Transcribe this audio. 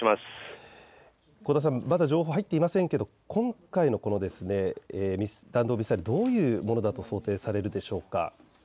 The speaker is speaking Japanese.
香田さん、まだ情報、入っていませんが今回の弾道ミサイル、どういうものだと想定されるでしょうか。